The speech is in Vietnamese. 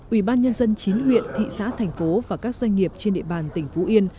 ủy ban nhân dân chín huyện thị xã thành phố và các doanh nghiệp trên địa bàn tỉnh phú yên